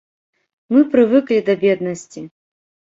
Мы прывыклі да беднасці.